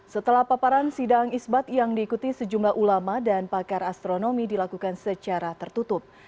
setelah paparan sidang isbat yang diikuti sejumlah ulama dan pakar astronomi dilakukan secara tertutup